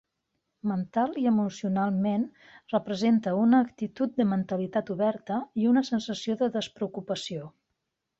Mental i emocionalment, representa una "actitud de mentalitat oberta" i una sensació de despreocupació.